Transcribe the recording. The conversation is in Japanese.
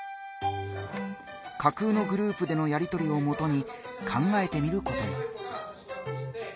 架空のグループでのやりとりをもとに考えてみることに。